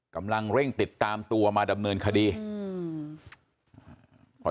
กำลังเร่งติดตามตัวมาดำเนินคดีอืม